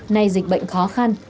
nay dịch bệnh khó khăn